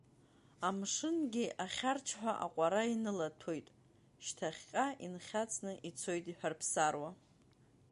Амшынгьы ахьарчҳәа аҟәара инылаҭәоит, шьҭахьҟа инхьаҵны ицоит иҳәарԥсаруа.